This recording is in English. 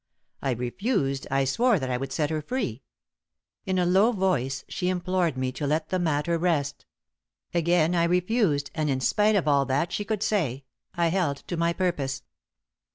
I refused I swore that I would set her free. In a low voice she implored me to let the matter rest; again I refused, and in spite of all that she could say, I held to my purpose.